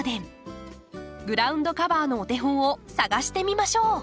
グラウンドカバーのお手本を探してみましょう。